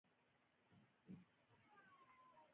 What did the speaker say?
سپي د کور ساتونکي دي.